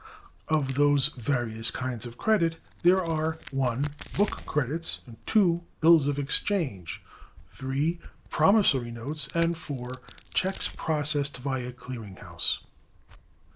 Of those various kinds of credit, there are (1) Book credits, (2) Bills of exchange, (3) Promissory notes, and (4) checks processed via clearing house.